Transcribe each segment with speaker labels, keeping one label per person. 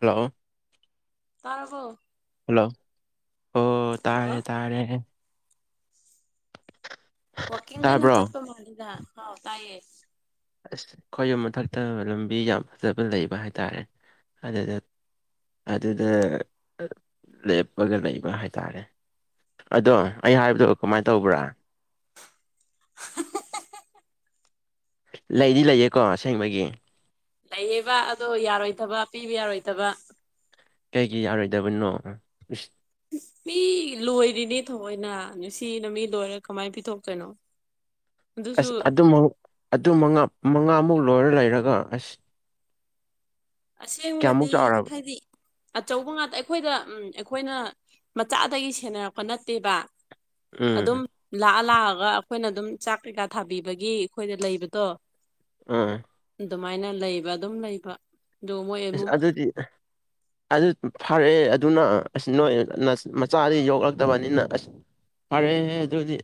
Speaker 1: Hello
Speaker 2: ꯇꯥꯔꯕꯣ
Speaker 1: hello ꯑꯣ
Speaker 2: hello
Speaker 1: ꯇꯥꯔꯦ ꯇꯥꯔꯦ
Speaker 2: ꯋꯥꯀꯤꯡ
Speaker 1: ꯇꯥꯕ꯭ꯔꯣ
Speaker 2: ꯒꯅꯆꯠꯄ [unintelligible] ꯍꯥꯎ ꯇꯥꯏꯦ
Speaker 1: ꯑꯁ ꯈꯣꯏ ꯌꯨꯝ ꯃꯊꯛꯇ ꯂꯝꯕꯤ ꯌꯥꯝ ꯐꯖꯕ ꯂꯩꯕ ꯍꯥꯏꯇꯥꯔꯦ ꯑꯗꯨꯗ ꯑꯗꯨꯗ ꯂꯦꯞꯄꯒ ꯂꯩꯕ ꯍꯥꯏꯇꯥꯔꯦ ꯑꯗꯣ ꯑꯩ ꯍꯥꯏꯕꯗꯣ ꯀꯃꯥꯏꯅ ꯇꯧꯕ꯭ꯔꯥ ꯂꯩꯗꯤ ꯂꯩꯌꯦꯀꯣ ꯑꯁꯦꯡꯕꯒꯤ
Speaker 2: ꯂꯩꯌꯦꯕ ꯑꯗꯣ ꯌꯥꯔꯣꯏꯗꯕ ꯄꯤꯕ ꯌꯥꯔꯣꯏꯗꯕ
Speaker 1: ꯀꯩꯒꯤ ꯌꯥꯔꯣꯏꯗꯕꯅꯣꯁ
Speaker 2: ꯃꯤ ꯂꯣꯏꯔꯤꯅꯦ ꯊꯑꯣꯏꯅ ꯅꯨꯡꯁꯤꯅ ꯃꯤ ꯂꯣꯏꯔ ꯀꯃꯥꯏꯅ ꯄꯤꯊꯣꯛꯇꯣꯏꯅꯣ ꯑꯗꯨꯁꯨ
Speaker 1: ꯑꯁ ꯑꯗꯨ ꯑꯗꯨ ꯃꯉꯥ ꯃꯉꯥꯃꯨꯛ ꯂꯣꯏꯔ ꯂꯩꯔꯒ ꯑꯁ ꯀꯌꯥꯃꯨꯛ
Speaker 2: ꯑꯁꯦꯡꯕꯗꯤ
Speaker 1: ꯆꯥꯎꯔꯕ
Speaker 2: ꯍꯥꯏꯗꯤ ꯑꯆꯧꯕ ꯉꯥꯛꯇ ꯑꯩꯈꯣꯏꯗ ꯎꯝ ꯑꯩꯈꯣꯏꯅ ꯃꯆꯥꯗꯒꯤ ꯁꯦꯟꯅꯔꯛꯄ ꯅꯠꯇꯦꯕ ꯑꯗꯨꯝ
Speaker 1: ꯎꯝ
Speaker 2: ꯂꯥꯛꯑ ꯂꯥꯛꯑꯒ ꯑꯩꯈꯣꯏꯅ ꯑꯗꯨꯝ ꯆꯥꯛ ꯀꯩꯀꯥ ꯊꯥꯕꯤꯕꯒꯤ ꯑꯩꯈꯣꯏꯗ ꯂꯩꯕꯗꯣ
Speaker 1: ꯑꯥ
Speaker 2: ꯑꯗꯨꯃꯥꯏꯅ ꯂꯩꯕ ꯑꯗꯨꯝ ꯂꯩꯕ ꯑꯗꯨ ꯃꯣꯏ
Speaker 1: ꯏꯁ
Speaker 2: ꯑꯗꯨꯝ
Speaker 1: ꯑꯗꯨꯗꯤ ꯑꯗꯨ ꯐꯔꯛꯑꯦ ꯑꯗꯨꯅ ꯑꯁ ꯅꯣꯏ ꯃꯆꯥꯗꯤ ꯌꯣꯛꯂꯛꯇꯕꯅꯤꯅ ꯑꯁ ꯐꯔꯦꯍ ꯑꯗꯨꯗꯤ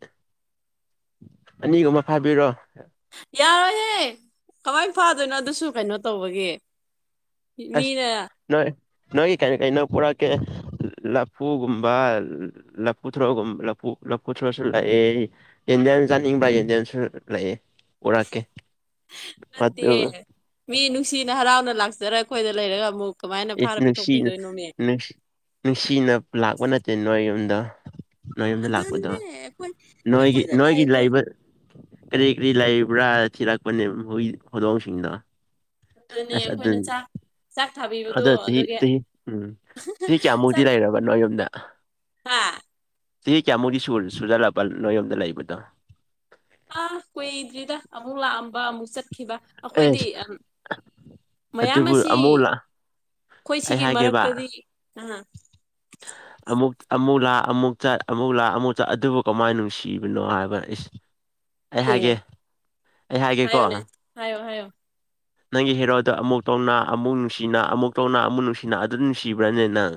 Speaker 1: ꯑꯅꯤꯒꯨꯝꯕ ꯐꯥꯕꯤꯔꯣ꯫
Speaker 2: ꯌꯥꯔꯣꯏꯍꯦ ꯀꯃꯥꯏ ꯐꯥꯗꯣꯏꯅꯣ ꯑꯗꯨꯁꯨ ꯀꯩꯅꯣ ꯇꯧꯕꯒꯦ
Speaker 1: ꯑꯁ
Speaker 2: ꯃꯤꯅ
Speaker 1: ꯅꯣꯏ ꯅꯣꯏꯒꯤ ꯀꯩꯔꯤ ꯀꯩꯅꯣ ꯄꯨꯔꯛꯀꯦ ꯂꯐꯨꯒꯨꯝꯕ ꯂꯄꯨ ꯊ꯭ꯔꯣ ꯂꯨ ꯂꯄꯨ ꯊ꯭ꯔꯣꯁꯤ ꯏꯟꯗꯤꯌꯟ ꯆꯥꯅꯤꯡꯕ꯭ꯔ ꯏꯟꯗꯤꯌꯥꯟꯁꯨ ꯂꯩꯑ ꯎꯔꯛꯀꯦ
Speaker 2: ꯅꯠꯇꯦ ꯃꯤ ꯅꯨꯡꯁꯤꯅ ꯍꯔꯥꯎꯅ ꯂꯥꯛꯆꯔꯒ ꯑꯩꯈꯣꯏꯗ ꯂꯩꯔꯒ ꯑꯃꯨꯛ ꯀꯃꯥꯏꯅ
Speaker 1: ꯏꯁ
Speaker 2: ꯐꯥꯔ
Speaker 1: ꯅꯨꯡꯁꯤꯅ
Speaker 2: ꯄꯤꯊꯣꯛꯄꯤꯗꯣꯏꯅꯣꯃꯦ
Speaker 1: ꯅꯨꯡꯁꯤꯅ ꯂꯥꯛꯄ ꯅꯠꯇꯦ ꯅꯣꯏ ꯌꯨꯝꯗ ꯅꯣꯏ ꯌꯨꯝꯗ ꯂꯥꯛꯄꯗꯣ ꯅꯣꯏꯒꯤ
Speaker 2: ꯑꯗꯨꯗꯟꯅꯦꯣꯏꯈꯣꯏꯗꯂ ꯍꯥꯏ
Speaker 1: ꯅꯣꯏꯒꯤ ꯂꯩꯕ ꯀꯔꯤ ꯀꯔꯤ ꯂꯩꯕ꯭ꯔꯥ ꯊꯤꯔꯛꯄꯅꯦ ꯍꯨꯏ ꯍꯧꯗꯣꯡꯁꯤꯡꯅ
Speaker 2: ꯑꯗꯨꯅꯦ ꯑꯩꯈꯣꯏꯅ ꯆꯥꯛ ꯆꯥꯛ ꯊꯥꯕꯤꯕꯗꯣ
Speaker 1: ꯑꯗꯣ ꯆꯍꯤ
Speaker 2: ꯑꯗꯨꯒꯤ
Speaker 1: ꯆꯍꯤ ꯎꯝ ꯆꯍꯤ ꯀꯌꯥꯃꯨꯛꯇꯤ
Speaker 2: ꯆꯥꯛ
Speaker 1: ꯂꯩꯔꯕ ꯅꯣꯏ
Speaker 2: ꯍꯥꯥ
Speaker 1: ꯏꯦ ꯀꯌꯥꯃꯨꯛꯗꯤ ꯁꯨꯔ ꯁꯨꯖꯜꯂꯛꯄ ꯅꯣꯏꯔꯣꯝꯗ ꯂꯩꯕꯗꯣ꯫
Speaker 2: ꯑꯥ ꯀꯨꯏꯗ꯭ꯔꯤꯗ ꯑꯃꯨꯛ ꯂꯥꯛꯑꯝꯕ ꯑꯃꯨꯛ ꯆꯠꯈꯤꯕ
Speaker 1: ꯑꯦ
Speaker 2: ꯑꯩꯈꯣꯏꯗꯤ ꯌꯥꯝ ꯃꯌꯥꯝ
Speaker 1: ꯑꯗꯨꯕꯨ
Speaker 2: ꯑꯁꯤ
Speaker 1: ꯑꯃꯨꯛ ꯂꯥ
Speaker 2: ꯑꯩꯈꯣꯏ
Speaker 1: ꯑꯩ
Speaker 2: ꯁꯤꯒꯤ
Speaker 1: ꯍꯥꯏꯒꯦꯕ
Speaker 2: ꯃꯔꯛꯇꯗꯤ ꯀꯅꯥ
Speaker 1: ꯑꯃꯨꯛ ꯑꯃꯨꯛ ꯂꯥꯛ ꯑꯃꯨꯛ ꯆ ꯑꯃꯨꯛ ꯂꯥꯛ ꯑꯃꯨꯛ ꯆ ꯑꯗꯨꯕꯨ ꯀꯃꯥꯏꯅ ꯅꯨꯡꯁꯤꯕꯅꯣ ꯍꯥꯏꯕ ꯑꯩ ꯍꯥꯏꯒꯦ
Speaker 2: ꯑꯦ
Speaker 1: ꯑꯩ ꯍꯥꯏꯒꯦꯀꯣ
Speaker 2: ꯍꯥꯏꯌꯣꯅꯦ ꯍꯥꯏꯌꯣ ꯍꯥꯏꯌꯣ
Speaker 1: ꯅꯪꯒꯤ ꯍꯦꯔꯥꯎꯗ ꯑꯃꯨꯛ ꯇꯧꯅꯥ ꯑꯃꯨꯛ ꯅꯨꯡꯁꯤꯅ ꯑꯃꯨꯛ ꯇꯧꯅꯥ ꯑꯃꯨꯛ ꯅꯨꯡꯁꯤꯅ ꯑꯗꯨ ꯅꯨꯡꯁꯤꯕ꯭ꯔꯅꯦ ꯅꯪ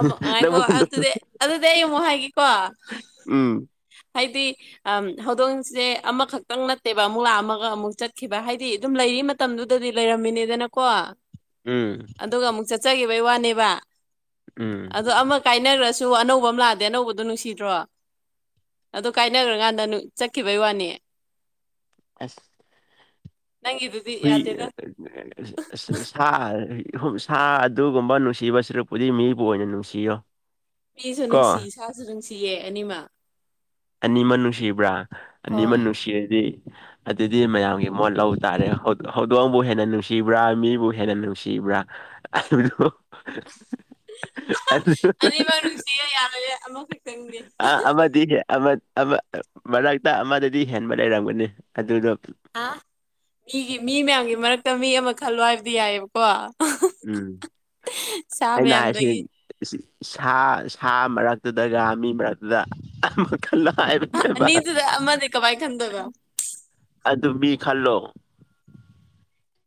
Speaker 2: ꯑꯃꯛꯉꯥꯏꯀꯣ
Speaker 1: ꯅꯪꯉꯣꯟꯗ
Speaker 2: ꯑꯗꯨꯗꯤ ꯑꯗꯨꯗꯤ ꯑꯩ ꯑꯃꯨꯛ ꯍꯥꯏꯒꯦꯀꯣ
Speaker 1: ꯎꯝ
Speaker 2: ꯍꯥꯏꯗꯤ ꯑ ꯍꯧꯗꯣꯡꯁꯦ ꯑꯃꯈꯛꯇꯪ ꯅꯠꯇꯦꯕ ꯑꯃꯨꯛ ꯂꯥꯛꯑꯝꯃꯒ ꯑꯃꯨꯛ ꯆꯠꯈꯤꯕ ꯍꯥꯏꯗꯤ ꯑꯗꯨꯝ ꯂꯩꯔꯤ ꯃꯇꯝꯗꯨꯗꯗꯤ ꯂꯩꯔꯝꯃꯤꯅꯤꯗꯅꯀꯣ
Speaker 1: ꯎꯝ
Speaker 2: ꯑꯗꯨꯒ ꯑꯃꯨꯛ ꯆꯠꯆꯈꯤꯕꯩ ꯋꯥꯅꯦꯕ
Speaker 1: ꯎꯝ
Speaker 2: ꯑꯣ ꯑꯃ ꯀꯥꯏꯅꯈ꯭ꯔꯁꯨ ꯑꯅꯧꯕ ꯑꯃ ꯂꯥꯛꯗꯦ ꯑꯅꯧꯕꯗꯣ ꯅꯨꯡꯁꯤꯗ꯭ꯔꯣ ꯑꯗꯣ ꯀꯥꯏꯅꯈ꯭ꯔꯀꯥꯟꯗ ꯆꯠꯈꯤꯕꯩ ꯋꯥꯅꯤ
Speaker 1: ꯑꯁ
Speaker 2: ꯅꯪ
Speaker 1: ꯍꯨꯏ ꯑꯁ ꯑꯁ ꯁꯥ ꯁꯥ ꯑꯗꯨꯒꯨꯝꯕ ꯅꯨꯡꯁꯤꯕ ꯁꯔꯛꯄꯨꯗꯤ ꯃꯤꯕꯨ ꯑꯣꯏꯅ ꯅꯨꯡꯁꯤꯌꯣ꯫ [unintelligible]
Speaker 2: ꯃꯤꯁꯨ ꯅꯨꯡꯁꯤ
Speaker 1: ꯀꯣ
Speaker 2: ꯏꯁꯥꯁꯨ ꯅꯨꯡꯁꯤꯌꯦ ꯑꯅꯤꯃ
Speaker 1: ꯑꯅꯤꯃ ꯅꯨꯡꯁꯤꯕ꯭ꯔꯥ ꯑꯅꯤꯃ ꯅꯨꯡꯁꯤꯔꯗꯤ ꯑꯗꯨꯗꯤ ꯃꯌꯥꯝꯒꯤ ꯃꯣꯠ ꯂ ꯇꯥꯔꯦ ꯍꯧꯗꯣꯡꯕꯨ ꯍꯦꯟꯅ ꯅꯨꯡꯁꯤꯕ꯭ꯔꯥ ꯃꯤꯕꯨ ꯍꯦꯟꯅ ꯅꯨꯡꯁꯤꯕ꯭ꯔꯥ ꯑ [unintelligible]
Speaker 2: ꯑꯅꯤꯃꯛ
Speaker 1: [unintelligible]
Speaker 2: ꯅꯨꯡꯁꯤꯌꯦ ꯌꯥꯔꯣꯏꯌꯦ ꯑꯃꯈꯛꯇꯪꯗꯤ
Speaker 1: ꯑꯥ ꯑꯕꯗꯤꯁꯦ꯫ ꯑꯃꯠ ꯑꯃꯠ ꯃꯔꯛꯇ ꯑꯃꯗꯗꯤ ꯍꯦꯟꯕ ꯂꯩꯔꯝꯒꯅꯤ ꯑꯗꯨꯗꯣ
Speaker 2: ꯑ ꯃꯤꯒꯤ ꯃꯤ ꯃꯌꯥꯝꯒꯤ ꯃꯔꯛꯇ ꯃꯤ ꯑꯃ ꯈꯜꯂꯣ ꯍꯥꯏꯕꯗꯤ ꯌꯥꯏꯑꯕ ꯀꯣ
Speaker 1: ꯎꯝ
Speaker 2: ꯁꯥ
Speaker 1: ꯑꯩꯅ
Speaker 2: ꯃꯌꯥꯝꯗꯒꯤ
Speaker 1: ꯍꯥꯏꯁꯤ ꯁꯥ ꯁꯥ ꯃꯔꯛꯇꯨꯗꯒ ꯃꯤ ꯃꯔꯛꯇꯨꯗ ꯑꯃꯥ ꯃꯈꯜ ꯍꯥꯏꯕ
Speaker 2: ꯑ- ꯑꯅꯤꯗꯨꯗ ꯑꯃꯗꯤ ꯀꯃꯥꯏ ꯈꯟꯗꯣꯏꯕ
Speaker 1: ꯑꯗꯨ ꯃꯤ ꯈꯜꯂꯣ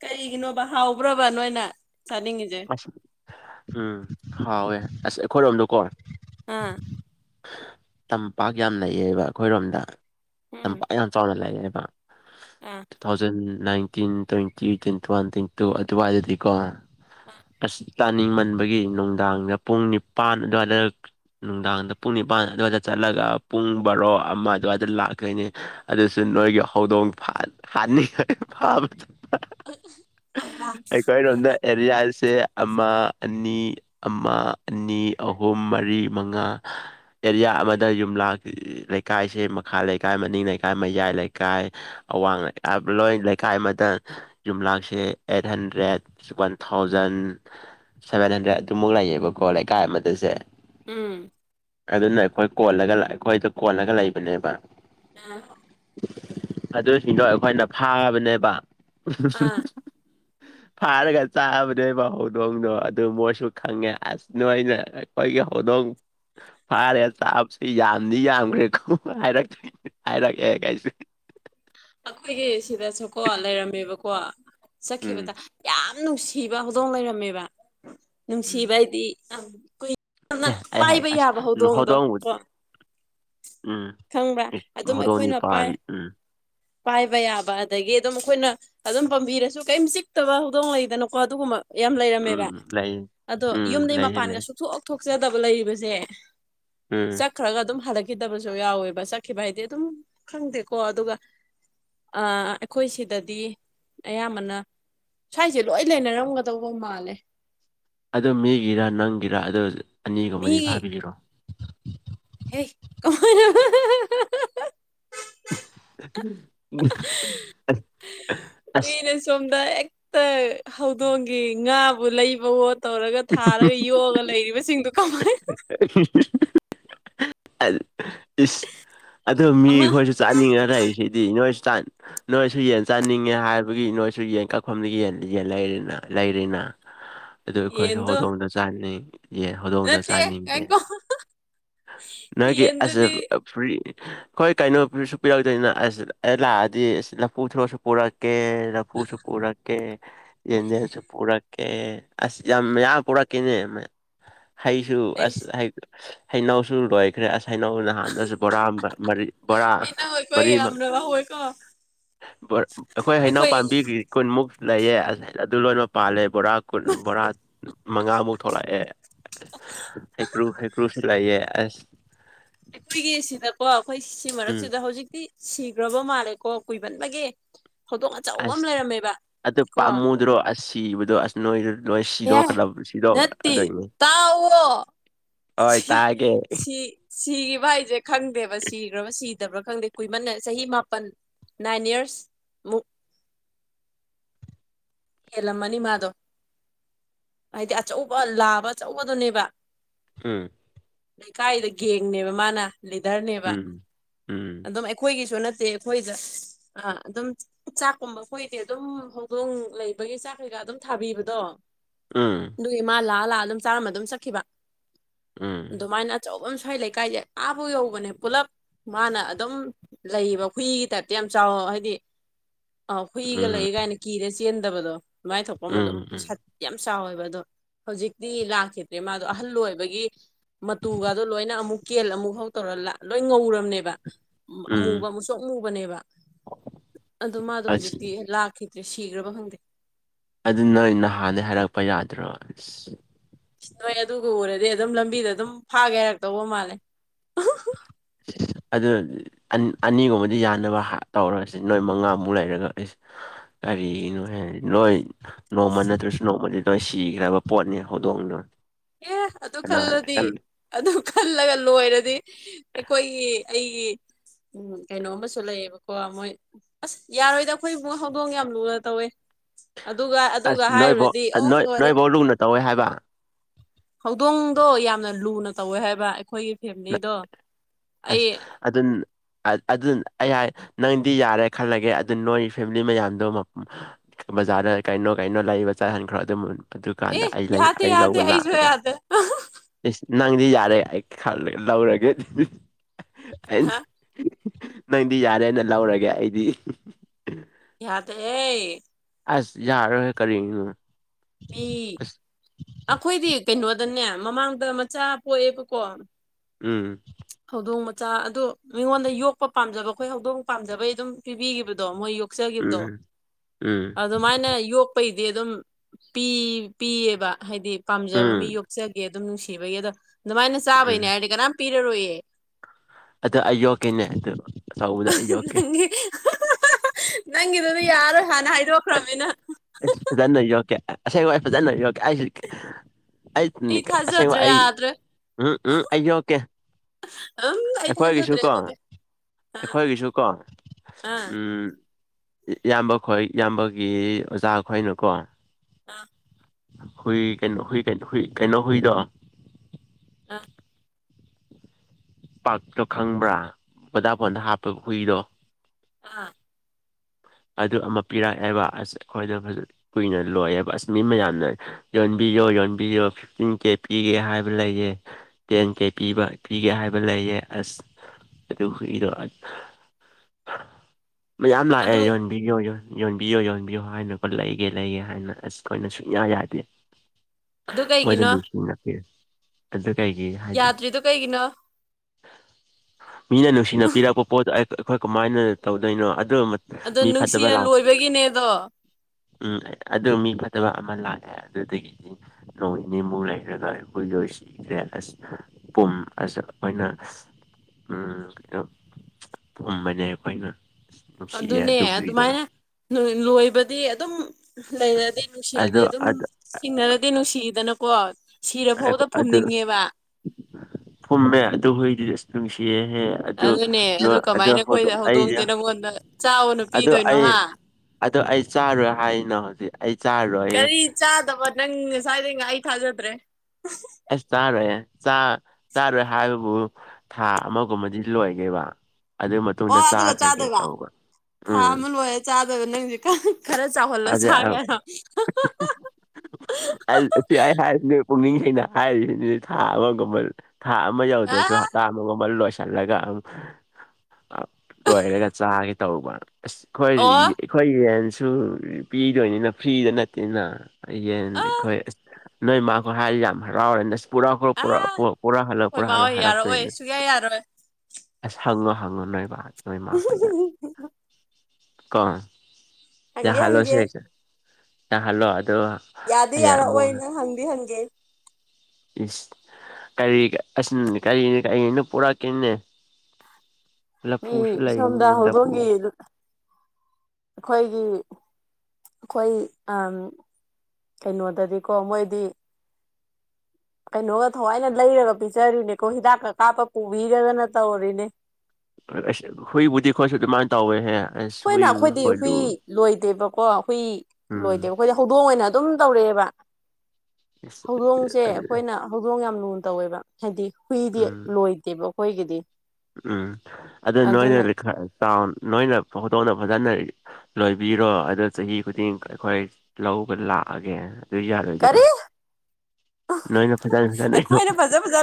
Speaker 2: ꯀꯩꯒꯤꯅꯣꯕ ꯍꯥꯎꯕ꯭ꯔꯕ ꯅꯣꯏꯅ ꯆꯥꯅꯤꯡꯉꯤꯖ‌ꯦ
Speaker 1: ꯎꯝ ꯍꯥꯎꯋꯦ ꯑꯁ ꯑꯩꯈꯣꯏꯔꯣꯝꯗꯀꯣ
Speaker 2: ꯑꯥ
Speaker 1: ꯇꯝꯄꯥꯛ ꯌꯥꯝ ꯂꯩꯌꯦꯕ ꯑꯩꯈꯣꯏꯔꯣꯝꯗ
Speaker 2: ꯎꯝ
Speaker 1: ꯇꯝꯄꯥꯛ ꯌꯥꯝ ꯆꯥꯎꯅ ꯂꯩꯌꯦꯕ꯫
Speaker 2: ꯑꯥ
Speaker 1: two thousand nineteen twenty twenty one twenty two ꯑꯗꯨ ꯋꯥꯏꯗꯗꯤꯀꯣ
Speaker 2: ꯑ
Speaker 1: ꯑꯁ ꯇꯥꯅꯤꯡꯃꯟꯕꯒꯤ ꯅꯨꯡꯗꯥꯡꯗ ꯄꯨꯡ ꯅꯤꯄꯥꯟ ꯑꯗꯨꯋꯥꯏꯗ ꯅꯨꯡꯗꯥꯡꯗ ꯄꯨꯡ ꯅꯤꯄꯥꯟ ꯑꯗꯨꯋꯥꯏꯗ ꯆꯠꯂꯒ ꯄꯨꯡ ꯕꯥꯔꯣ ꯑꯃ ꯑꯗꯨꯋꯥꯏꯗ ꯂꯥꯛꯈ꯭ꯔꯦꯅꯦ꯫ ꯑꯗꯨꯁꯨ ꯅꯣꯏꯒꯤ ꯍꯧꯗꯣꯡ ꯐ ꯐꯅꯤꯡ ꯐꯕ ꯑꯩꯈꯣꯏꯔꯣꯝꯗ ꯑꯦꯔꯤꯌꯥꯁꯦ ꯑꯃ ꯑꯅꯤ ꯑꯃ ꯑꯅꯤ ꯑꯍꯨꯝ ꯃꯔꯤ ꯃꯉꯥ ꯑꯦꯔꯤꯌꯥ ꯑꯃꯗ ꯌꯨꯝꯂꯛ ꯂꯩꯀꯥꯏꯁꯦ ꯃꯈꯥ ꯂꯩꯀꯥꯏ ꯃꯅꯤꯡ ꯂꯩꯀꯥꯏ ꯃꯌꯥꯏ ꯂꯩꯀꯥꯏ ꯑꯋꯥꯡ ꯂꯣꯏ ꯂꯩꯀꯥꯏ ꯑꯃꯗ ꯌꯨꯝꯂꯛꯁꯦ eight hundred one thousand seven hundred ꯑꯗꯨꯃꯨꯛ ꯂꯩꯌꯦꯕꯀꯣ ꯂꯩꯀꯥꯏ ꯑꯃꯗꯁꯦ
Speaker 2: ꯎꯝ
Speaker 1: ꯑꯗꯨꯅ ꯑꯩꯈꯣꯏ ꯀꯣꯜꯂꯒ ꯑꯩꯈꯣꯏꯗ ꯀꯣꯜꯂꯒ ꯂꯩꯕꯅꯦꯕ꯫
Speaker 2: ꯑ
Speaker 1: ꯑꯗꯨꯁꯤꯡꯗꯣ ꯑꯩꯈꯣꯏꯅ ꯐꯥꯕꯅꯦꯕ ꯐꯥꯔꯒ ꯆꯥꯕꯅꯦꯕ ꯍꯧꯗꯣꯡꯗꯣ ꯑꯗꯨ ꯃꯣꯏꯁꯨ ꯈꯪꯉꯦ ꯑꯁ ꯅꯣꯏꯅ ꯑꯩꯈꯣꯏꯒꯤ ꯍꯧꯗꯣꯡ ꯐꯥꯔꯦ ꯆꯥꯕꯁ‌ꯦ ꯌꯥꯝꯗꯤ ꯌꯥꯝꯈ꯭ꯔꯦ ꯀ‌ꯣ ꯍꯥꯏꯔꯛ ꯍꯥꯏꯔꯛꯑꯦ ꯀꯩꯁꯨ
Speaker 2: ꯑꯩꯈꯣꯏꯒꯤ ꯁꯤꯗꯁꯨꯀꯣ ꯂꯩꯔꯝꯃꯦꯕꯀꯣ
Speaker 1: ꯎꯝ
Speaker 2: ꯆꯠꯈꯤꯕꯗ ꯌꯥꯝ ꯅꯨꯡꯁꯤꯕ ꯍꯧꯗꯣꯡ ꯂꯩꯔꯝꯃꯦꯕ
Speaker 1: ꯎꯝ
Speaker 2: ꯅꯨꯡꯁꯤꯕ ꯍꯥꯏꯗꯤ ꯌꯥꯝ ꯀꯨꯏ ꯅ
Speaker 1: ꯑꯩ ꯍꯥꯏ
Speaker 2: ꯄꯥꯏꯕ ꯌꯥꯕ
Speaker 1: ꯑꯁ
Speaker 2: ꯍꯧꯗꫭꯡꯗꯣ
Speaker 1: ꯍꯧꯗꯣꯡꯕꯨ
Speaker 2: ꯀꫭ
Speaker 1: ꯎꯝ
Speaker 2: ꯈꯪꯕ꯭ꯔꯥ
Speaker 1: ꯏꯁ
Speaker 2: ꯑꯗꯨꯝ
Speaker 1: ꯍꯧꯗꯣꯡꯗꯤ
Speaker 2: ꯑꯩꯈꯣꯏꯅ ꯄꯥꯏ
Speaker 1: ꯄꯥꯝꯃꯤ ꯎꯝ
Speaker 2: ꯄꯥꯏꯕ ꯌꯥꯕ ꯑꯗꯒꯤ ꯑꯗꯨꯝ ꯑꯩꯈꯣꯏꯅ ꯑꯗꯨꯝ ꯄꯥꯝꯕꯤꯔꯁꯨ ꯀꯔꯤꯝ ꯆꯤꯛꯇꯕ ꯍꯧꯗꯣꯡ ꯂꯩꯗꯅꯀꯣ ꯑꯗꯨꯒꯨꯝꯕ ꯌꯥꯝ ꯂꯩꯔꯝꯃꯦꯕ
Speaker 1: ꯎꯝ ꯂꯩ
Speaker 2: ꯑꯗꯣ
Speaker 1: ꯎꯝ
Speaker 2: ꯌꯨꯝꯗꯒꯤ
Speaker 1: ꯂꯩꯌꯦ
Speaker 2: ꯃꯄꯥꯟꯒ
Speaker 1: ꯂꯩ
Speaker 2: ꯁꯨꯡꯊꯣꯛ ꯊꯣꯛꯆꯗꯕ ꯂꯩꯔꯤꯕꯖ‌ꯦ꯫
Speaker 1: ꯎꯝ
Speaker 2: ꯈꯔꯒ ꯑꯗꯨꯝ ꯍꯜꯂꯛꯈꯤꯗꯕꯁꯨ ꯌꯥꯎꯋꯦꯕ ꯆꯠꯈꯤꯕ ꯍꯥꯏꯗꯤ ꯑꯗꯨꯝ ꯈꯪꯗꯦꯀꯣ ꯑꯗꯨꯒ ꯑꯩ ꯑꯩꯈꯣꯏ ꯁꯤꯗꯗꯤ ꯑꯌꯥꯝꯕꯅ ꯁ꯭ꯋꯥꯏꯁꯦ ꯂꯣꯏ ꯂꯩꯅꯔꯝꯒꯗꯧꯕ ꯃꯥꯜꯂꯦ꯫
Speaker 1: ꯑꯗꯨ ꯃꯤꯒꯤꯔꯥ ꯅꯪꯒꯤꯔ ꯑꯗꯨ ꯑꯅꯤꯒꯨꯝꯕꯗꯤ
Speaker 2: ꯃꯤꯒꯤ
Speaker 1: ꯐꯥꯕꯤꯔꯣ
Speaker 2: ꯍꯦ ꯀꯃꯥꯏꯅ
Speaker 1: [unintelligible] ꯑꯁ
Speaker 2: ꯃꯤꯅ ꯁꯣꯝꯗ ꯍꯦꯛꯇ ꯍꯧꯗꯣꯡꯒꯤ ꯉꯥꯕꯨ ꯂꯩꯕ ꯑ‌ꯣ ꯇꯧꯔꯒ ꯊꯥꯔꯒ ꯌꯣꯛꯑꯒ ꯂꯩꯔꯤꯕꯁꯤꯡꯗꯨ ꯀꯃꯥꯏ
Speaker 1: [unintelligible] ꯏꯁ ꯑꯗꯨꯝ
Speaker 2: ꯑꯃ
Speaker 1: ꯃꯤꯈꯣꯏꯁꯨ ꯆꯥꯅꯤꯡꯉ ꯂꯩꯁꯤꯗꯤ ꯅꯣꯏꯁꯨ ꯅꯣꯏꯁꯨ ꯌꯦꯟ ꯆꯥꯅꯤꯡꯉꯦ ꯍꯥꯏꯕꯒꯤ ꯅꯣꯏꯁꯨ ꯌꯦꯟ ꯀꯛꯐꯝꯗ ꯌꯦꯟ ꯌꯦꯟ ꯂꯩꯔꯤꯅ ꯂꯩꯔꯤꯅ ꯑꯗꯨ ꯑꯩꯈꯣꯏꯁꯨ
Speaker 2: ꯌꯦꯟꯗꯣ
Speaker 1: ꯍꯧꯗꯣꯡꯗ‌ꯣ ꯆꯥꯅꯤꯡꯌꯦ ꯍꯧꯗꯣꯡꯗ
Speaker 2: ꯅꯠꯇꯦ
Speaker 1: ꯆꯥꯅꯤꯡꯉꯦ
Speaker 2: ꯉꯥꯏꯈꯣ
Speaker 1: ꯅꯪꯒꯤ ꯑꯁꯦ
Speaker 2: ꯌꯦꯟꯗꯨꯗꯤ
Speaker 1: ꯐꯔꯤ ꯍꯣꯏ ꯀꯩꯅꯣꯁꯨ ꯄꯤꯔꯛꯇꯣꯏꯅꯤꯅ ꯑꯁ ꯑꯩ ꯂꯥꯛꯑꯗꯤ ꯂꯐꯨ ꯊꯣꯔꯁꯨ ꯄꯨꯔꯛ ꯀꯦ ꯂꯐꯨꯁꯨ ꯄꯨꯔꯛꯀꯦ ꯌꯦꯟꯗꯦꯃꯁꯨ ꯄꯨꯔꯛ ꯀ‌ꯦ ꯑꯁ ꯌꯥꯝ ꯃꯌꯥꯝ ꯄꯨꯔꯛꯀꯦꯅꯦ ꯍꯩꯁꯨ ꯑꯁ
Speaker 2: ꯑꯩꯁ
Speaker 1: ꯍ ꯍꯩꯅꯧꯁꯨ ꯂꯣꯏ ꯈ꯭ꯔꯦ ꯑꯁ ꯍꯩꯅꯧ ꯅꯍꯥꯟꯗꯁꯨ ꯕꯣꯔꯥ ꯕꯣꯔꯥ
Speaker 2: ꯑꯩ ꯅꯪ ꯑꯩꯈꯣꯏ
Speaker 1: ꯃꯔꯤꯃꯛ
Speaker 2: [unintelligible]
Speaker 1: ꯕꯣꯔ ꯑꯈꯣꯏ ꯍꯩꯅꯧ
Speaker 2: ꯑꯩꯈꯣꯏ
Speaker 1: ꯄꯥꯝꯕꯤꯒꯤ ꯀꯨꯟꯃꯨꯛ ꯂꯩꯌꯦ ꯑꯁ ꯑꯗꯨ ꯂꯣꯏꯃꯛ ꯄꯥꯜꯂꯦ ꯕꯣꯔꯥ ꯀꯨꯟ ꯕꯣꯔꯥ ꯃꯉꯥꯃꯨꯛ ꯊꯣꯛꯂꯛꯑꯦ ꯍꯦꯀ꯭ꯔꯨ ꯍꯦꯀ꯭ꯔꯨ ꯁꯤꯂꯥꯏꯌꯦ ꯑꯁ
Speaker 2: ꯑꯩꯈꯣꯏꯒꯤ ꯁꯤꯗꯀꯣ ꯑꯩꯈꯣꯏ ꯁꯤ
Speaker 1: ꯎꯝ
Speaker 2: ꯃꯔꯛꯁꯤꯗ ꯍꯧꯖꯤꯛꯇꯤ ꯁꯤꯈ꯭ꯔꯕ ꯃꯥꯜꯂꯦꯀꯣ ꯀꯨꯏꯃꯟꯕꯒꯤ ꯍꯧꯗꯣꯛꯅ
Speaker 1: ꯑꯁ ꯑꯗꯨ ꯄꯥꯝꯃꯨꯗ꯭ꯔꯣ ꯑ ꯁꯤꯕꯗꯣ ꯑꯁ ꯅꯣꯏꯗ ꯅꯣꯏ
Speaker 2: ꯑꯦ
Speaker 1: ꯁꯤꯗꯣꯛꯀꯗꯕ ꯁꯤꯗꯣꯛꯑ
Speaker 2: ꯅꯠꯇꯦ
Speaker 1: ꯑꯗꯨꯏꯅꯤ
Speaker 2: ꯇꯥꯎꯋꯣ
Speaker 1: ꯍꯣꯏ
Speaker 2: ꯁꯤ
Speaker 1: ꯇꯥꯒꯦ
Speaker 2: ꯁꯤ ꯁꯤꯈꯤꯕ ꯍꯥꯏꯁꯦ ꯈꯪꯗꯦꯕ ꯁꯤꯈ꯭ꯔꯕ ꯁꯤꯗꯕ꯭ꯔꯥ ꯈꯪꯗꯦ ꯀꯨꯏꯃꯟꯅ ꯆꯍꯤ ꯃꯥꯄꯜ ꯅꯥꯏꯟ ꯏꯌꯥꯔꯁ ꯃꯨꯛ꯫ ꯍꯦꯜꯂꯝꯃꯅꯤ ꯃꯥꯗꯣ ꯍꯥꯏꯗꯤ ꯑꯆꯧꯕ ꯂꯥꯕ ꯑꯆꯧꯕꯗꯨꯅꯦꯕ
Speaker 1: ꯍꯥꯝ
Speaker 2: ꯂꯩꯀꯥꯏꯗ ꯒꯦꯡꯅꯦꯕ ꯃꯥꯅ ꯂꯤꯗꯔꯅꯦꯕ
Speaker 1: ꯎꯝ ꯎꯝ
Speaker 2: ꯑꯗꯨꯝ ꯑꯩꯈꯣꯏꯒꯤꯁꯨ ꯅꯠꯇꯦ ꯑꯩꯈꯣꯏꯗ ꯑꯥ ꯑꯗꯨꯝ ꯆꯥꯛꯀꯨꯝꯕ ꯀꯨꯏꯗꯤꯦ ꯑꯗꯨꯝ ꯍꯧꯗꯣꯡ ꯂꯩ ꯒꯤ ꯆꯥꯛ ꯀꯩꯀꯥ ꯑꯗꯨꯝ ꯊꯥꯕꯤꯕꯗꯣ
Speaker 1: ꯎꯝ
Speaker 2: ꯑꯗꯨ ꯏꯃꯥ ꯂꯥꯛꯑ ꯂꯥꯛꯑ ꯑꯗꯨꯝ ꯆꯥꯝꯃ ꯑꯗꯨꯝ ꯆꯠꯈꯤꯕ
Speaker 1: ꯎꯝ
Speaker 2: ꯑꯗꯨꯃꯥꯏꯅ ꯑꯆꯧꯕ ꯁ꯭ꯋꯥꯏ ꯂꯩꯀꯥꯏꯁꯦ ꯀꯥꯐꯥꯎ ꯌꯧꯕꯅꯦ ꯄꯨꯜꯂꯞ ꯃꯥꯅ ꯑꯗꯨꯝ ꯂꯩꯕ ꯍꯨꯏꯒꯤ ꯇꯥꯏꯞꯇ ꯌꯥꯝ ꯆꯥꯎꯋꯣ ꯍꯥꯏꯗꯤ ꯑ ꯍꯨꯏꯒ
Speaker 1: ꯎꯝ
Speaker 2: ꯂꯩ ꯀꯥꯏꯅ ꯀꯤꯔ ꯆꯦꯟꯗꯕꯗꯣ ꯑꯗꯨꯃꯥꯏꯅ ꯊꯣꯛꯄ ꯑꯃ
Speaker 1: ꯎꯝ
Speaker 2: ꯑꯗꯨꯝ
Speaker 1: ꯎꯝ
Speaker 2: ꯁꯠ ꯌꯥꯝ ꯆꯥꯎꯋꯦꯕ ꯑꯗꯣ ꯍꯧꯖꯤꯛꯇꯤ ꯂꯥꯛꯈꯤꯗ꯭ꯔꯦ ꯃꯥꯗꯣ ꯑꯍꯜ ꯑꯣꯏꯕꯒꯤ ꯃꯇꯨꯒꯗꯣ ꯂꯣꯏꯅ ꯑꯃꯨꯛ ꯀꯦꯜ ꯑꯃꯨꯛ ꯍꯥꯎ ꯇꯧꯔ ꯂꯣꯏ ꯉꯧꯔꯕꯅꯦꯕ꯫ ꯑꯃꯨꯕ
Speaker 1: ꯎꯝ
Speaker 2: ꯑꯃꯨꯁꯨꯣꯛ ꯃꯨꯕꯅꯦꯕ ꯑꯗꯨ ꯃꯥꯗꯣ
Speaker 1: ꯑꯁ
Speaker 2: ꯍꯧꯖꯤꯛꯇꯤ ꯂꯥꯛꯈꯤ ꯁꯤꯈ꯭ꯔꯕ ꯈꯪꯗꯦ
Speaker 1: ꯑꯗꯨ ꯅ ꯅꯍꯥꯟꯗꯩ ꯍꯥꯏꯔꯛꯄ ꯌꯥꯗ꯭ꯔꯣ
Speaker 2: ꯁꯤ ꯅꯣꯏ ꯑꯗꯨꯒ ꯎꯔꯗꯤ ꯑꯗꯨꯝ ꯂꯝꯕꯤꯗ ꯑꯗꯨꯝ ꯐꯥꯒꯦ ꯍꯥꯏꯔꯛꯇꯧꯕ ꯃꯥꯜꯂꯦ
Speaker 1: ꯑꯗꯨ ꯑꯟ ꯑꯅꯤꯒꯨꯝꯕꯗꯤ ꯌꯥꯅꯕ ꯇꯧꯔꯁꯤ ꯅꯣꯏ ꯃꯉꯥꯃꯨꯛ ꯂꯩꯔꯒ ꯑꯩꯁ ꯀꯔꯤꯅꯍꯦ ꯅꯣꯏ ꯅꯣꯡꯃ ꯅꯠꯇ꯭ꯔꯁꯨ ꯅꯣꯡꯃꯗꯤ ꯂꯣꯏ ꯁꯤꯈ꯭ꯔꯕ ꯄꯣꯠꯅꯤ ꯍꯧꯗꯣꯡꯗꯣꯏ
Speaker 2: ꯑꯦ ꯑꯗꯨ ꯀꯜꯂꯗꯤ ꯑꯗꯨ ꯈꯜꯂꯒ ꯂꯣꯏꯔꯗꯤ ꯑꯩꯈꯣꯏꯒꯤ ꯑꯩꯒꯤ ꯎꯝ ꯀꯩꯅꯣꯝ ꯑꯃꯁꯨ ꯂꯩꯌꯦꯕꯀꯣ ꯃꯣꯏ ꯑꯁ ꯌꯥꯔꯣꯏꯗ ꯑꯩꯈꯣꯏ ꯏꯕꯨꯨꯡ ꯍꯧꯗꯣꯡ ꯌꯥꯝ ꯂꯨꯅ ꯇꯧꯋꯦ꯫ ꯑꯗꯨꯒ ꯑꯗꯨꯒ
Speaker 1: ꯑꯁ ꯅꯣꯏꯕꯧ
Speaker 2: ꯍꯥꯏꯔꯨꯔꯗꯤ ꯑꯣ
Speaker 1: ꯅꯣꯏ
Speaker 2: ꯂꯣꯏꯔꯦ
Speaker 1: ꯅꯣꯏꯕꯧ ꯂꯨꯅ ꯇꯧꯋꯦ ꯍꯥꯏꯕ
Speaker 2: ꯍꯧꯗꯣꯡꯗꯣ ꯌꯥꯝꯅ ꯂꯨꯅ ꯇꯧꯋꯦ ꯍꯥꯏꯕ ꯑꯩꯈꯣꯏꯒꯤ
Speaker 1: ꯅ-
Speaker 2: ꯐꯦꯃꯤꯂꯤꯗꯣ ꯑꯩ
Speaker 1: ꯑꯁ ꯑꯗꯨꯅ ꯑꯗꯨ ꯑꯩ ꯅꯪꯗꯤ ꯌꯥꯔꯦ ꯈꯜꯂꯒꯦ ꯑꯗꯨ ꯅꯣꯏ ꯐꯦꯃꯤꯂꯤ ꯃꯌꯥꯝꯗꯣ ꯕꯖꯥꯔꯗ ꯀꯩꯅꯣ ꯀꯩꯅꯣ ꯂꯩꯕ ꯆꯠꯍꯟꯈ꯭ꯔꯣ ꯑꯗꯨꯝ ꯑꯗꯨ ꯀꯥꯟꯗ
Speaker 2: ꯑꯦ
Speaker 1: ꯑꯩ ꯂꯩ
Speaker 2: ꯌꯥꯗꯦ
Speaker 1: ꯑꯩ
Speaker 2: ꯌꯥꯗꯦ
Speaker 1: ꯂꯧꯕ
Speaker 2: ꯑꯩꯁꯨ
Speaker 1: ꯂꯥꯛꯑꯒꯦ꯫
Speaker 2: ꯌꯥꯗꯦ
Speaker 1: ꯏꯁ ꯅꯪꯗꯤ ꯌꯥꯔꯦ ꯑꯩ ꯈꯜꯂꯒ ꯂꯧꯔꯦꯗꯨꯗꯤ ꯑ ꯅꯪꯗꯤ ꯌꯥꯔꯦꯅ ꯂꯧꯔꯒꯦ ꯑꯩꯗꯤ
Speaker 2: ꯏꯍꯗ ꯑꯦ
Speaker 1: ꯑꯁ ꯌꯥꯔꯔꯣꯏ ꯀꯔꯤꯅꯣꯅꯦ
Speaker 2: ꯃꯤ ꯑꯩꯈꯣꯏꯗꯤ ꯀꯩꯅꯣꯗꯅꯦ ꯃꯃꯥꯡꯗ ꯃꯆꯥ ꯄꯣꯛꯑꯦꯕꯀꯣ
Speaker 1: ꯎꯝ
Speaker 2: ꯍꯧꯗꯣꯡ ꯃꯆꯥ ꯑꯗꯣ ꯃꯤꯉꯣꯟꯗ ꯌꯣꯛꯄ ꯄꯥꯝꯖꯕ ꯈꯣꯏ ꯍꯧꯗꯣꯡ ꯄꯥꯝꯖꯕꯩ ꯑꯗꯨꯝ ꯄꯤꯕꯤꯈꯤꯕꯗꯣ ꯃꯣꯏ ꯌꯣꯛꯆꯈꯤꯕꯗꯣ
Speaker 1: ꯎꯝ ꯎꯝ
Speaker 2: ꯑꯗꯨꯃꯥꯏꯅ ꯌꯣꯛ ꯄꯩꯗꯤ ꯑꯗꯨꯝ ꯄꯤꯌꯦꯕ ꯍꯥꯏꯗꯤ ꯄꯥꯝꯖꯕ
Speaker 1: ꯎꯝ
Speaker 2: ꯃꯤ ꯆꯒꯦ ꯑꯗꯨꯝ ꯅꯨꯡꯁꯤꯕꯒꯤ ꯑꯗꯣ ꯑꯗꯨꯃꯥꯏꯅ
Speaker 1: ꯎꯝ
Speaker 2: ꯆꯥꯕꯩꯅꯦ ꯍꯥꯏꯔꯗꯤ ꯀꯅꯥꯝ ꯄꯤꯔꯔꯣꯏꯌꯦ
Speaker 1: ꯑꯗꯨ ꯑꯩ ꯌꯣꯛꯀꯦꯅꯦ ꯑꯗꯨ ꯑꯆꯧꯕꯗ ꯑꯩ ꯌꯣꯛꯀꯦ
Speaker 2: ꯅꯪꯗꯤ ꯅꯪꯒꯤꯗꯨꯗꯤ ꯌꯥꯔꯣꯏ ꯍꯥꯟꯅ ꯍꯥꯏꯗꯣꯛꯈ꯭ꯔꯕꯅꯤꯅ
Speaker 1: ꯐꯥꯖꯅ ꯌꯣꯛꯀꯦ ꯑꯁꯦꯡꯕ ꯑꯩ ꯐꯖꯅ ꯌꯣꯛꯀꯦ ꯑꯩꯖꯨ ꯑꯩ ꯑꯁꯦꯡꯕ
Speaker 2: ꯊꯥꯖꯗ꯭ꯔꯦ
Speaker 1: ꯑꯩ
Speaker 2: ꯌꯥꯗ꯭ꯔꯦ
Speaker 1: ꯎꯝ ꯎꯝ ꯑꯩ ꯌꯣꯛꯀꯦ
Speaker 2: ꯑꯩ ꯊꯥꯖꯗ꯭ꯔꯦ ꯑꯗꯨꯗꯤ ꯑꯥ
Speaker 1: ꯑꯩꯈꯣꯏꯒꯤꯁꯨꯀꯣ ꯎꯝ
Speaker 2: ꯑꯥ
Speaker 1: ꯏꯌꯥꯝꯕ ꯈꯣꯏ ꯏꯌꯥꯝꯕꯒꯤ ꯃꯆꯥꯈꯣꯏꯅꯀꯣ
Speaker 2: ꯑꯥ
Speaker 1: ꯍꯨꯏ ꯀꯩꯅꯣ ꯍꯨꯏ ꯀꯩꯅꯣ ꯍꯨꯏ ꯀꯩꯅꯣ ꯍꯨꯏꯗꯣ
Speaker 2: ꯑ
Speaker 1: ꯄꯥꯛꯇꯣ ꯈꯪꯕ꯭ꯔꯥ ꯈꯣꯏꯗꯥ ꯐꯣꯟꯗ ꯍꯥꯞꯄ ꯍꯨꯏꯗꯣ
Speaker 2: ꯑꯥ
Speaker 1: ꯑꯗꯨ ꯑꯃ ꯄꯤꯔꯛꯑꯦꯕ ꯑꯁ ꯑꯩꯈꯣꯏꯅ ꯐꯖꯅ ꯀꯨꯏꯅ ꯂꯣꯏꯑꯦꯕ ꯑꯁ ꯃꯤ ꯃꯌꯥꯝꯅ ꯌꯣꯟꯕꯤꯌꯣ ꯌꯣꯟꯕꯤꯌꯣ ꯏꯟꯀꯦꯁ ꯄꯤꯒꯦ ꯍꯥꯏꯕ ꯂꯩꯌꯦ꯫ ꯇꯦꯟ ꯀꯦ ꯄꯤꯕ ꯄꯤꯒꯦ ꯍꯥꯏꯕ ꯂꯩꯌꯦ ꯑꯁ ꯑꯗꯨ ꯍꯨꯏꯗꯣ ꯃꯌꯥꯝ ꯂꯥꯛꯑꯦ
Speaker 2: ꯑꯗꯨ
Speaker 1: ꯌꯣꯟ ꯌꯣꯟꯕꯤꯌꯣ ꯌꯣꯟꯕꯤꯌꯣ ꯍꯥꯏꯅꯀꯣ ꯂꯩꯒꯦ ꯂꯩꯒꯦ ꯍꯥꯏꯅ ꯑꯁ ꯑꯩꯈꯣꯏꯅ ꯁꯨꯡꯌꯥ ꯌꯥꯗꯦ
Speaker 2: ꯑꯗꯨ
Speaker 1: ꯃꯣꯏꯁꯨ
Speaker 2: ꯀꯩꯒꯤꯅꯣ
Speaker 1: ꯅꯨꯡꯁꯤ ꯅꯈꯤ ꯑꯗꯨ ꯀꯩꯒꯤ ꯍꯥꯏꯗꯤ
Speaker 2: ꯌꯥꯗ꯭ꯔꯤꯗꯣ ꯀꯩꯒꯤꯅꯣ
Speaker 1: ꯃꯤꯅ ꯅꯨꯡꯁꯤꯅ ꯄꯤꯔꯛꯄ ꯄꯣꯠꯇꯣ ꯑꯩꯈꯣꯏ ꯀꯃꯥꯏꯅ ꯇꯧꯗꯣꯏꯅꯣ ꯑꯗꯨ
Speaker 2: ꯑꯗꯣ
Speaker 1: ꯃꯤ ꯐꯠꯇꯕ
Speaker 2: ꯅꯨꯡꯁꯤꯅ
Speaker 1: ꯂꯥꯛꯄ
Speaker 2: ꯂꯣꯏꯕꯒꯤꯅꯦ ꯑꯗꯣ
Speaker 1: ꯎꯝ ꯑꯗꯨ ꯃꯤ ꯐꯠꯇꯕ ꯑꯃ ꯂꯥꯛꯑꯦ ꯑꯗꯨꯗꯒꯤꯗꯤ ꯅꯣꯡ ꯅꯤꯅꯤꯃꯨꯛ ꯂꯩꯈ꯭ꯔꯦ ꯒ ꯍꯨꯢꯗꯣ ꯁꯤꯔꯦ ꯑꯁ ꯄꯨꯝ ꯑꯁ ꯑꯩꯈꯣꯏꯅ ꯎꯝ ꯀꯩꯅꯣ ꯐꯨꯝꯕꯅꯦ ꯑꯩꯈꯣꯏꯅ ꯅꯨꯡꯁꯤꯌꯦ
Speaker 2: ꯑꯗꯨꯅꯦ
Speaker 1: ꯑꯗꯨ ꯍꯨꯏꯗꯣ
Speaker 2: ꯑꯗꯨꯃꯥꯏꯅ ꯂꯣꯏꯕꯗꯤ ꯑꯗꯨꯝ ꯂꯩꯔꯗꯤ ꯅꯨꯡꯁꯤꯔꯗꯤ
Speaker 1: ꯑꯗꯣ
Speaker 2: ꯑꯗꯨꯝ ꯊꯦꯡꯅꯔꯗꯤ ꯅꯨꯡꯁꯤꯗꯅꯀꯣ ꯁꯤꯔ ꯐꯥꯎꯕꯗ
Speaker 1: ꯑꯗꯨ
Speaker 2: ꯐꯨꯝꯅꯤꯡꯉꯦꯕ
Speaker 1: ꯐꯨꯝꯃꯦ ꯑꯗꯨ ꯍꯨꯏꯗꯤ ꯑꯁ ꯅꯨꯡꯁꯤꯌꯦꯍꯦ ꯑꯗꯨ
Speaker 2: ꯑꯗꯨꯅꯦ
Speaker 1: ꯑꯗꯨ
Speaker 2: ꯀꯃꯥꯏꯅ
Speaker 1: ꯍꯧ
Speaker 2: ꯑꯩꯈꯣꯏ
Speaker 1: ꯑꯩꯁꯦ
Speaker 2: ꯍꯧꯗꯣꯡꯁꯦ ꯅꯪꯉꯣꯟꯗ ꯆꯥꯎꯅ
Speaker 1: ꯑꯗꯨ
Speaker 2: ꯄꯤꯗꯣꯏꯅꯣ
Speaker 1: ꯑꯩ
Speaker 2: ꯍꯥ
Speaker 1: ꯑꯗꯣ ꯑꯩ ꯆꯥꯔꯣꯏ ꯍꯥꯏꯅ ꯍꯧꯖꯤꯛ ꯑꯩ ꯆꯥꯔꯣꯏꯌꯦ
Speaker 2: ꯀꯔꯤ ꯆꯥꯗꯕ ꯅꯪ ꯉꯁꯥꯏꯗꯒꯤ ꯑꯩ ꯊꯥꯖꯗ꯭ꯔꯦ
Speaker 1: ꯑꯁ ꯆꯥꯔꯣꯏꯍꯦ ꯆꯥꯔꯣꯏ ꯍꯥꯏꯕꯕꯨ ꯊꯥ ꯑꯃꯒꯨꯝꯕꯗꯤ ꯂꯣꯏꯒꯦꯕ ꯑꯗꯨꯒꯤ ꯃꯇꯨꯡꯗ
Speaker 2: ꯑꯣ ꯑꯗꯨꯒ
Speaker 1: ꯆꯥꯈ꯭ꯔꯒꯦ ꯇꯧꯕ ꯎꯝ
Speaker 2: ꯆꯥꯗꯣꯏꯔꯣ ꯅꯪꯒꯤꯁꯦ ꯈꯔ ꯆꯥꯎꯍꯜꯂꯒ
Speaker 1: ꯑꯗ
Speaker 2: ꯆꯥꯒꯦ ꯍꯥꯏꯔꯣ
Speaker 1: ꯑꯁꯤ ꯑꯩ ꯍꯥꯏꯔꯤꯅꯦ ꯄꯨꯛꯅꯤꯡꯉꯩꯅ ꯍꯥꯏꯔꯤꯁꯤꯅꯦ ꯊꯥ ꯑꯃꯒꯨꯝꯕ ꯊꯥ ꯑꯃ
Speaker 2: ꯑ
Speaker 1: ꯌꯧꯗ꯭ꯔꯁꯨ ꯍꯞꯇꯥ ꯑꯃꯒꯨꯝꯕ ꯂꯣꯏꯁꯤꯜꯂꯒ ꯂꯣꯏꯔꯒ ꯆꯥꯒꯦ ꯇꯧꯕ ꯑꯁ ꯑꯩꯈꯣꯏ
Speaker 2: ꯑꯣ ꯑ
Speaker 1: ꯑꯩꯈꯣꯏ ꯌꯦꯟꯁꯨ ꯄꯤꯗꯣꯏꯅꯤꯅ ꯐ꯭ꯔꯤꯗ ꯅꯠꯇꯦꯅ ꯌꯦꯟꯅꯦ ꯑꯩꯈꯣꯏ ꯑꯁ ꯅꯣꯏ ꯃꯥꯈꯣꯏ ꯍꯥꯏꯔꯗꯤ ꯌꯥꯝ ꯍꯔꯥꯎꯔꯅꯤ ꯅꯁ ꯄꯨꯔꯥꯍꯧꯔꯛ
Speaker 2: ꯑ ꯑꯩꯈꯣꯏ
Speaker 1: ꯄꯨꯔꯥ ꯍꯜꯂꯛ ꯄꯔꯥ
Speaker 2: ꯃꯥ
Speaker 1: ꯍꯜ
Speaker 2: ꯍꯣꯏ ꯌꯥꯔꯛꯑꯣꯏ
Speaker 1: ꯍꯏꯔꯛꯇꯣꯏꯅꯤ
Speaker 2: ꯁꯨꯡꯌꯥ ꯌꯥꯔꯣꯏ
Speaker 1: ꯑꯁ ꯍꯪꯉꯣ ꯍꯪꯉꯣ ꯅꯣꯏꯕ ꯅꯣꯏꯃ ꯈꯣꯏꯗ ꯀꯣ꯫
Speaker 2: ꯍꯪꯒꯦ ꯍꯪꯒꯦ
Speaker 1: ꯌꯥꯍꯜꯂꯣꯁꯦ ꯌꯥꯍꯜꯂꯣ ꯑꯗꯣ
Speaker 2: ꯌꯥꯗꯤ
Speaker 1: ꯍꯌꯦꯡ ꯑꯃꯨꯛ
Speaker 2: ꯌꯥꯔꯛꯑꯣꯏ ꯍꯪꯗꯤ ꯍꯪꯒꯦ꯫
Speaker 1: ꯏꯁ ꯀꯔꯤ ꯑꯁꯅ ꯀꯔꯤꯅꯤ ꯀꯩ ꯄꯨꯔꯛꯀꯦꯅꯦ꯫ [inaudible]
Speaker 2: ꯃꯤ ꯁꯣꯝꯗ
Speaker 1: ꯂꯩꯅꯤꯅꯦ ꯂꯐꯨ
Speaker 2: ꯍꯧꯗꯣꯡꯒꯤ ꯑꯩꯈꯣꯏꯒꯤ ꯑꯈꯣꯏ ꯀꯩꯅꯣꯗꯗꯤꯀꯣ ꯃꯣꯏꯗꯤ ꯀꯩꯅꯣꯒ ꯊꯋꯥꯏꯅ ꯂꯩꯔꯒ ꯄꯤꯖꯔꯤꯅꯦꯀꯣ ꯍꯤꯗꯥꯛꯀ ꯀꯥꯞꯄ ꯄꯨꯕꯤꯔꯒꯅ ꯇꯧꯔꯤꯅꯦ
Speaker 1: ꯑꯁ ꯍꯨꯏꯕꯨꯗꯤ ꯑꯈꯣꯏꯁꯨ ꯑꯗꯨ ꯃꯥ ꯇꯧꯋꯦꯍꯦ ꯑꯩꯁ
Speaker 2: ꯑꯩꯈꯣꯏꯅ ꯑꯩꯈꯣꯏꯗꯤ ꯍꯨꯏ ꯂꯣꯏꯗꯦꯕꯀꯣ ꯍꯨꯏ
Speaker 1: ꯎꯝ
Speaker 2: ꯂꯣꯏꯗꯦꯕ ꯑꯩꯈꯣꯏꯗ ꯍꯧꯗꯣꯡ ꯑꯣꯏꯅ ꯑꯗꯨꯝ ꯇꯧꯔꯛꯑꯦꯕ
Speaker 1: ꯑꯁ
Speaker 2: ꯍꯧꯗꯣꯡꯁꯦ ꯑꯩꯈꯣꯏꯅ ꯍꯧꯗꯣꯡ ꯌꯥꯝ ꯂꯨꯅ ꯇꯧꯋꯦꯕ ꯍꯥꯏꯗꯤ ꯍꯨꯏꯗꯤ
Speaker 1: ꯎꯝ
Speaker 2: ꯂꯣꯏ ꯗꯦꯕ ꯈꯣꯏꯒꯤꯗꯤ
Speaker 1: ꯎꯝ ꯑꯗꯨ ꯅꯣꯏꯅꯗꯤ ꯈꯔ ꯆꯥꯎꯟ ꯅꯣꯏꯅ ꯍꯩꯗꯣꯛꯗꯣ ꯐꯖꯟꯅ ꯂꯣꯏꯕꯤꯔꯣ ꯑꯗꯣ ꯆꯍꯤ ꯈꯨꯗꯤꯡ ꯑꯩꯈꯣꯏ ꯂꯧꯕ ꯂꯥꯛꯑꯒꯦ ꯑꯗꯨ ꯌꯥ
Speaker 2: ꯀꯔꯤ
Speaker 1: ꯂꯩꯗꯅ ꯅꯣꯏꯅ ꯐꯖ ꯐꯖ [unintelligible]
Speaker 2: ꯑꯩꯈꯣꯏꯅ ꯐꯖ ꯐꯖ